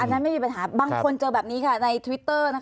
อันนั้นไม่เป็นปัญหาบางคนเจอแบบนี้ในทวิตเตอร์